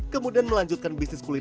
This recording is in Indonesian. kemudian melanjutkan bisnis kuliner